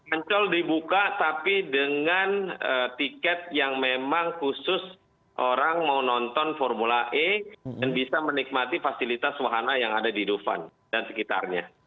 ancol dibuka tapi dengan tiket yang memang khusus orang mau nonton formula e dan bisa menikmati fasilitas wahana yang ada di dufan dan sekitarnya